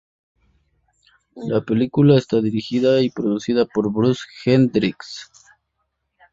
La película está dirigida y producida por Bruce Hendricks.